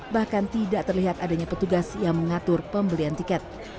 bahkan tidak terlihat adanya petugas yang mengatur pembelian tiket